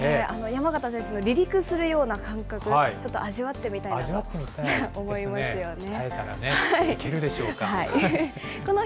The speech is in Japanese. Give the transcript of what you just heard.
山縣選手の離陸するような感覚、ちょっと味わ味わってみたいですよね。